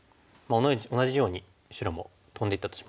同じように白もトンでいったとします。